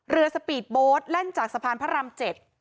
เรือสปีดโบ๊ทแล่นจากสะพานพระราม๗